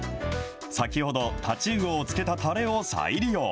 先ほど、太刀魚を漬けたたれを再利用。